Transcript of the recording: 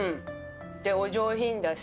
お上品だし。